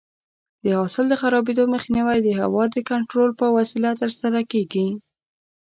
د حاصل د خرابېدو مخنیوی د هوا د کنټرول په وسیله ترسره کېږي.